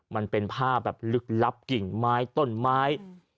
มันเป็นภาพแบบลึกลับกิ่งไม้ต้นไม้